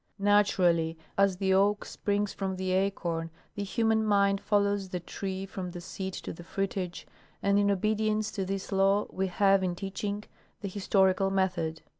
Naturally, as the oak springs from the acorn, the human mind follows the tree from the seed to the fruitage, and in obedience to this law we have, in teaching, the historical method.